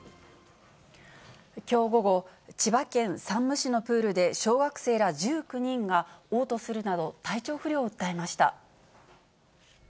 きょう午後、千葉県山武市のプールで小学生ら１９人がおう吐するなど、体調不良を訴えました。